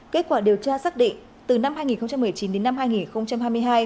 kết quả điều tra xác định từ năm hai nghìn một mươi chín đến năm hai nghìn hai mươi hai